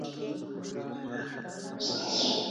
روښانه فکر خپګان نه خپروي.